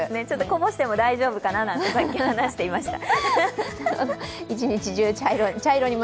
こぼしても大丈夫かななんて、さっき話していました。